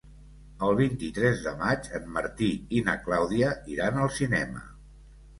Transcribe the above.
El vint-i-tres de maig en Martí i na Clàudia iran al cinema.